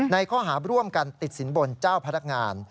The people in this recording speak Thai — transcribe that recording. ในข้อหาร่วมกันติดสินบนเจ้าพนักงาน